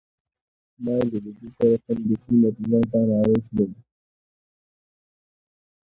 ما يې له لیدو سره سمدستي موټروان ته نارې کړې.